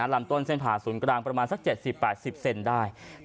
ลำต้นเส้นผ่าศูนย์กลางประมาณสัก๗๐๘๐เซนได้